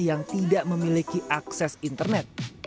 yang tidak memiliki akses internet